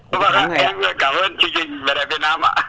cảm ơn chương trình về đẹp việt nam